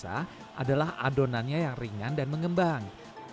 yang terasa adalah adonannya yang ringan dan mengembang